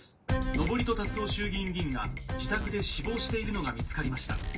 登戸龍男衆議院議員が自宅で死亡しているのが見つかりました。